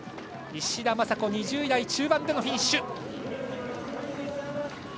石田正子、２０位台中盤でのフィニッシュ。